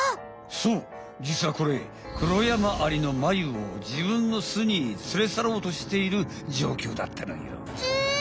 そうじつはこれクロヤマアリのマユを自分の巣に連れ去ろうとしているじょうきょうだったのよ。え！？